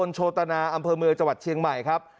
อยู่บ้านเล็กที่๔ทับ๑๖ซอย๑๒ตะบลโชตนาอำเภอเมือจังหวัดเชียงใหม่